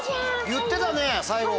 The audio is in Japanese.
言ってたね最後。